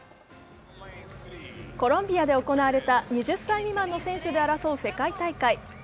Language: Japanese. コロンビアで行われた２０歳未満の選手で争う世界大会、Ｕ２０